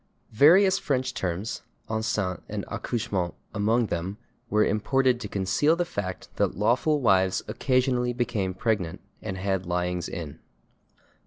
Various French terms, /enceinte/ and /accouchement/ among them, were imported to conceal the fact that lawful wives occasionally became pregnant and had lyings in.